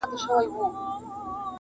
څارنوال ته سو معلوم اصلیت د وروره،